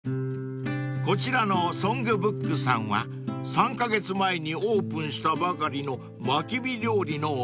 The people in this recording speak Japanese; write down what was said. ［こちらのｓｏｎｇｂｏｏｋさんは３カ月前にオープンしたばかりのまき火料理のお店］